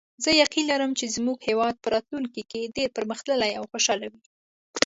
زه یقین لرم چې زموږ هیواد به راتلونکي کې ډېر پرمختللی او خوشحاله وي